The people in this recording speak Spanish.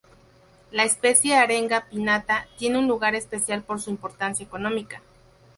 La especie "Arenga pinnata" tiene un lugar especial por su importancia económica.